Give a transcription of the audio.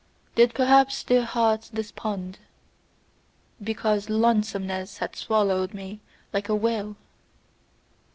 Did perhaps their hearts despond, because lonesomeness had swallowed me like a whale?